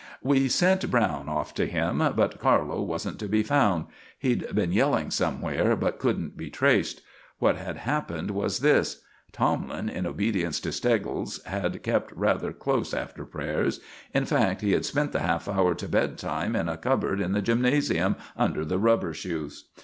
We sent Browne off to him, but Carlo wasn't to be found. He'd been seen yelling somewhere, but couldn't be traced. What had happened was this: Tomlin, in obedience to Steggles, had kept rather close after prayers; in fact, he had spent the half hour to bed time in a cupboard in the gymnasium, under the rubber shoes.